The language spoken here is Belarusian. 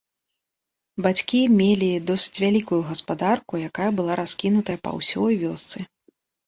Бацькі мелі досыць вялікую гаспадарку, якая была раскінутая па ўсёй вёсцы.